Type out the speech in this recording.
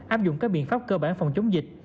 áp dụng các biện pháp cơ bản phòng chống dịch